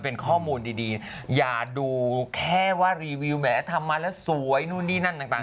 เป็นข้อมูลดีอย่าดูแค่ว่ารีวิวแหมทำมาแล้วสวยนู่นนี่นั่นต่าง